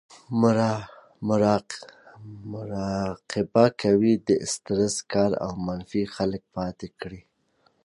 مراقبه کوي , د سټرېس کار او منفي خلک پاتې کړي